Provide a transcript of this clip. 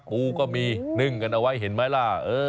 ปูก็มีนึ่งกันเอาไว้เห็นไหมล่ะ